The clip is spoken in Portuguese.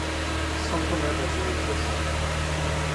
São Tomé das Letras